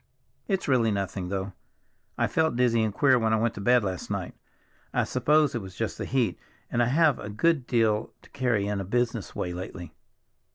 "It's really nothing, though; I felt dizzy and queer when I went to bed last night. I suppose it was just the heat, and I have had a good deal to carry in a business way lately.